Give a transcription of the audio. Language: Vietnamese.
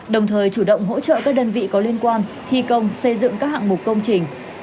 đồng thời chủ động hỗ trợ các đơn vị có liên quan thi công xây dựng các hạng mục công trình